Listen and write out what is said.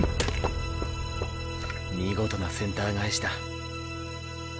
見事なセンター返しだ。